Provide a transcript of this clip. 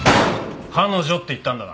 「彼女」って言ったんだな？